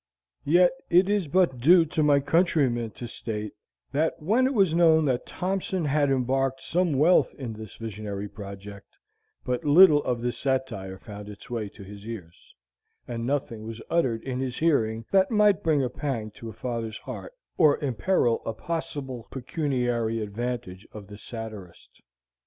Yet it is but due to my countrymen to state that when it was known that Thompson had embarked some wealth in this visionary project, but little of this satire found its way to his ears, and nothing was uttered in his hearing that might bring a pang to a father's heart, or imperil a possible pecuniary advantage of the satirist.